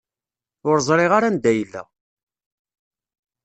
Ur ẓriɣ ara anda yella.